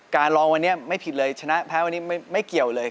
การลองวันนี้ไม่ผิดเลยชนะแพ้วันนี้ไม่เกี่ยวเลย